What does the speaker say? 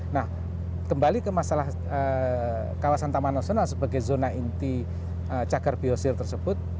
nah kembali ke masalah kawasan taman nasional sebagai zona inti cagar biosir tersebut